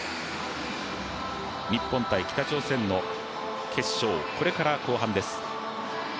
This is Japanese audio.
日本×北朝鮮の決勝、これから後半です。